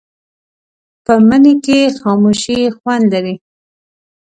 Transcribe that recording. په مني کې خاموشي خوند لري